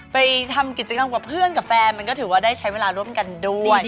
ไปทำกิจกรรมกับเพื่อนกับแฟนมันก็ถือว่าได้ใช้เวลาร่วมกันด้วย